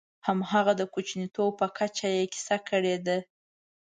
همغه د کوچنیتوب په کچه یې کیسه کړې ده.